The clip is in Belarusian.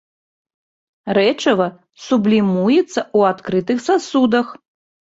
Рэчыва сублімуецца ў адкрытых сасудах.